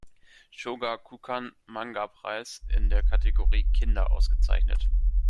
Shōgakukan-Manga-Preis in der Kategorie „Kinder“ ausgezeichnet.